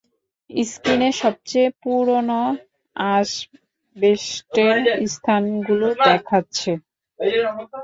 স্ক্রিনে সবচেয়ে পুরোনো অ্যাসবেস্টসের স্থানগুলো দেখাচ্ছে।